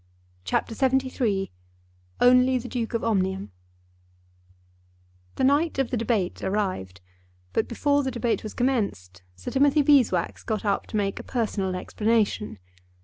CHAPTER LXXIII Only the Duke of Omnium The night of the debate arrived, but before the debate was commenced Sir Timothy Beeswax got up to make a personal explanation.